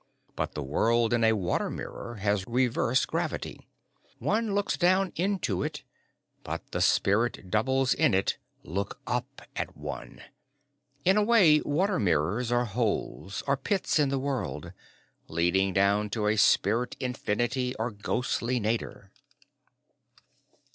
But the world in a water mirror has reverse gravity. One looks down into it, but the spirit doubles in it look up at one. In a way water mirrors are holes or pits in the world, leading down to a spirit infinity or ghostly nadir.